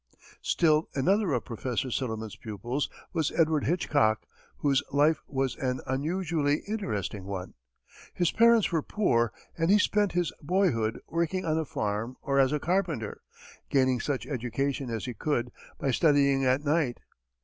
Still another of Prof. Silliman's pupils was Edward Hitchcock, whose life was an unusually interesting one. His parents were poor and he spent his boyhood working on a farm or as a carpenter, gaining such education as he could by studying at night.